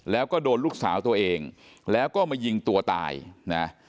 แล้วก็โดนลูกสาวตัวเองแล้วก็มายิงตัวตายนะ